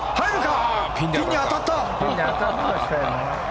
ピンに当たった。